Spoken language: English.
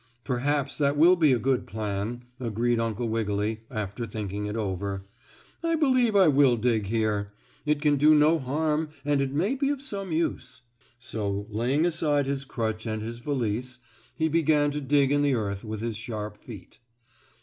"Perhaps that will be a good plan," agreed Uncle Wiggily, after thinking it over. "I believe I will dig here. It can do no harm and it may be of some use." So, laying aside his crutch and his valise, he began to dig in the earth with his sharp feet.